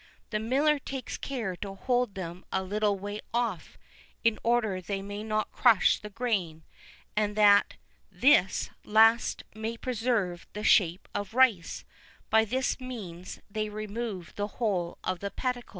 The miller takes care to hold them a little way off, in order that they may not crush the grain, and that this last may preserve the shape of rice; by this means they remove the whole of the pellicle."